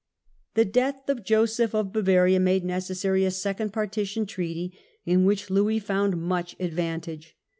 . The death of Joseph of Bavaria made necessary a Second Partition Treaty, in which Louis found much advantage.